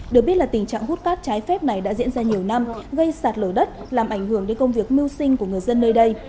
được biết là tình trạng hút cát trái phép này đã diễn ra nhiều năm gây sạt lở đất làm ảnh hưởng đến công việc mưu sinh của người dân nơi đây